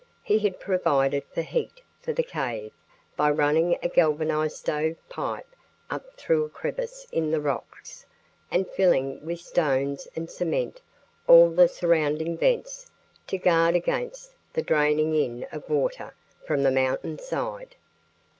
He had provided for heat for the cave by running a galvanized stovepipe up through a crevice in the rocks and filling with stones and cement all the surrounding vents to guard against the draining in of water from the mountain side.